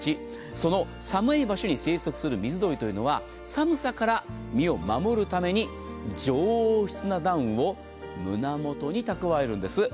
その寒い場所に生息する水鳥というのは、寒さから身を守るために上質なダウンを胸元に蓄えるんです。